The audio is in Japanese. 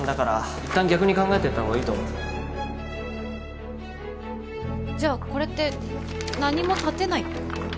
いったん逆に考えてった方がいいと思うじゃあこれって何も建てないってこと？